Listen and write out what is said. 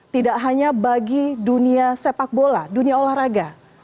tidak hanya bagi dunia sepak bola dunia olahraga